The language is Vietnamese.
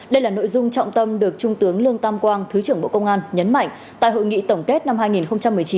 đây là nội dung trọng tâm được trung tướng lương tam quang thứ trưởng bộ công an nhấn mạnh tại hội nghị tổng kết năm hai nghìn một mươi chín